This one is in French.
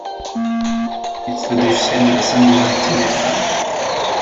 Il se défiait de la singularité des femmes.